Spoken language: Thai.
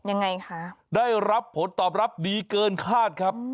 ยังไงคะได้รับผลตอบรับดีเกินคาดครับ